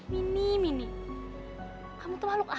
mini mini kamu tuh makhluk apa sih